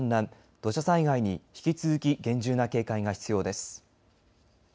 土砂災害に引き続き厳重な警戒が必要です。